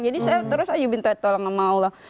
jadi saya terus ajubin tolong sama allah